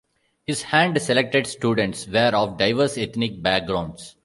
His hand-selected students were of diverse ethnic backgrounds.